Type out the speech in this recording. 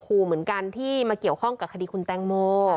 ครูเหมือนกันที่มาเกี่ยวข้องกับคดีคุณแตงโม